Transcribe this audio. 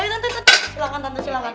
ayo tante silahkan tante silahkan